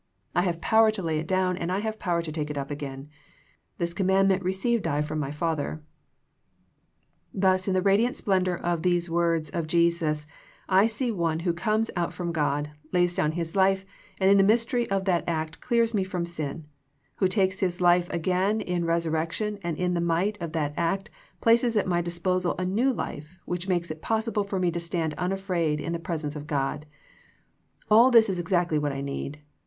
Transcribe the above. I have power to lay it down, and I have power to take it again. This commandment received I from M}^ Father." Thus in the radiant splendour of these words of Jesus I see One who comes out from God, lays down His life, and in the mystery of that act clears me from sin, who takes His life again in resurrection and in the might of that act places at my disposal a new life which makes it possible for me to stand unafraid in the presence of God. All this is exactly what I need.